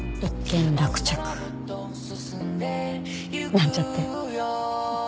なんちゃって。